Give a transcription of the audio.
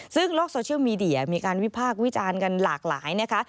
ซึ่งโลกโซเชียลมีเดียมีการวิพากษ์วิจารณ์กันหลากหลายนะคะ